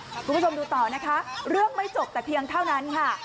คุณผู้ชมดูต่อนะคะเรื่องไม่จบแต่เพียงเท่านั้นค่ะ